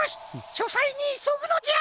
しょさいにいそぐのじゃ！